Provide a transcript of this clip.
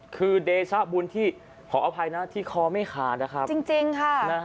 คือเดชะบุญที่ขออภัยนะที่คอไม่ขาดนะครับจริงค่ะ